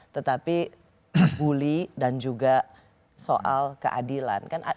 tetapi bully dan juga soal keadilan